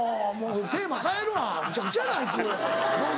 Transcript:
テーマ変えるわむちゃくちゃやなあいつどうぞ。